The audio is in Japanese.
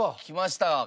きました。